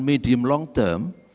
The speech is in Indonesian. medium long term